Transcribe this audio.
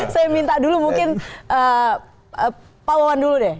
saya minta dulu mungkin pak wawan dulu deh